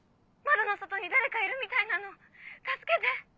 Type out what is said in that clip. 窓の外に誰かいるみたいなの助けて！